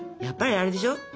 やっぱりあれでしょ？